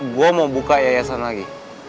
gue mau buka yayasan lagi